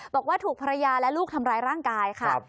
บอกว่าถูกภรรยาและลูกทำร้ายร่างกายค่ะ